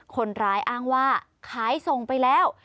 คนร้ายอ้างว่าขายส่งไปแล้ว